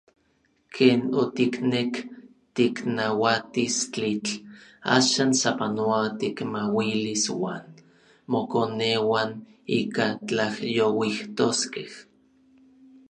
Ken otiknek tiknauatis tlitl, axan sapanoa tikmauilis uan mokoneuan ika tlajyouijtoskej.